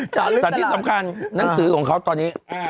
จ้าลึกจยยจ้าลึกตลอดเน้หนังสือผมครับตอนนี้อ่า